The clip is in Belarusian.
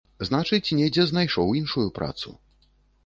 Значыць, недзе знайшоў іншую працу.